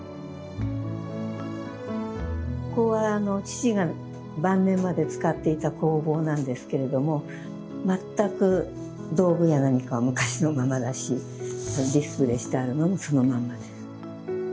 ここは父が晩年まで使っていた工房なんですけれども全く道具や何かは昔のままだしディスプレーしてあるのもそのまんまです。